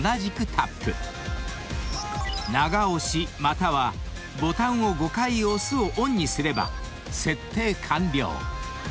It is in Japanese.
［「長押し」または「ボタンを５回押す」をオンにすれば設定完了］